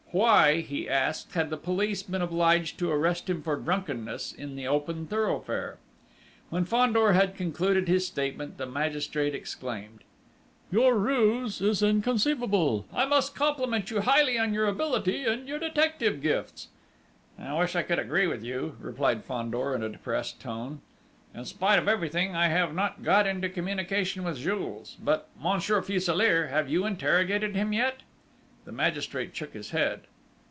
Why, he asked, had the police been obliged to arrest him for drunkenness in the open thoroughfare? When Fandor had concluded his statement, the magistrate exclaimed: "Your ruse is inconceivable!... I must compliment you highly on your ability and your detective gifts!" "I wish I could agree with you," replied Fandor in a depressed tone. "In spite of everything, I have not got into communication with Jules. But, Monsieur Fuselier, have you interrogated him yet?" The magistrate shook his head.